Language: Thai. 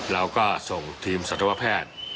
แล้วก็ส่งทีมสัตว์ภาพแพทย์